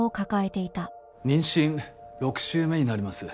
妊娠６週目になります。